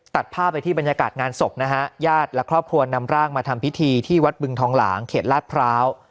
ตัดภาพไปที่บรรยากาศงานศพนะฮะญาติและครอบครัวนำร่างมาทำพิธีที่วัดบึงทองหลางเขตลาดพร้าว